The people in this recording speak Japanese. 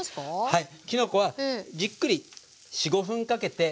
はい。